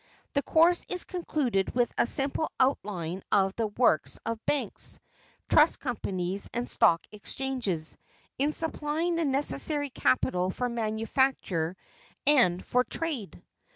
The course is concluded with a simple outline of the works of banks, trust companies and stock exchanges in supplying the necessary capital for manufacture and for trade.